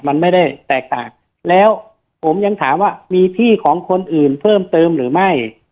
มันไม่ได้แตกต่างแล้วผมยังถามว่ามีพี่ของคนอื่นเพิ่มเติมหรือไม่